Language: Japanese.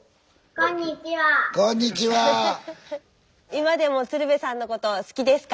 今でも鶴瓶さんのこと好きですか？